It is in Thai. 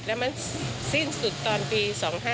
แล้วมันสิ้นสุดตอนปี๒๕๕